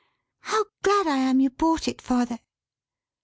"How glad I am you bought it, father!"